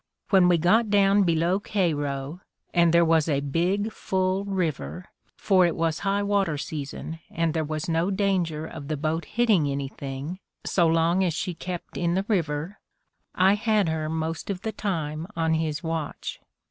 When we got down be low Cairo, and there was a big, full river— for it was high water season and there was no danger of the boat hitting anything so long as she kept in the river — I had her most of the time on his watch.